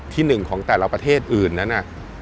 ที่หนึ่งของแต่ละประเทศอื่นนั้น